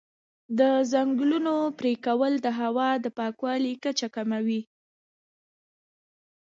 د ځنګلونو پرېکول د هوا د پاکوالي کچه کموي.